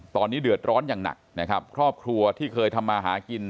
ตอนนี้เดือดร้อนอย่างหนักนะครับครอบครัวที่เคยทำมาหากิน